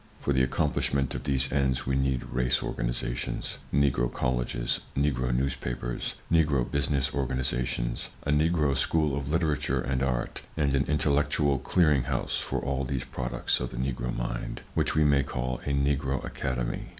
For the accomplishment of these ends we need race organizations: Negro colleges, Negro newspapers, Negro business organizations, a Negro school of literature and art, and an intellectual clearing house, for all these products of the Negro mind, which we may call a Negro Academy.